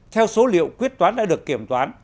theo số liệu quyết toán đã được kiểm toán